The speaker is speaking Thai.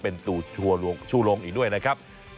เป็นตัวชู่ลงอีกด้วยนะครับ